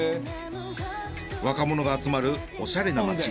若者が集まるおしゃれな街